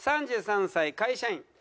３３歳会社員。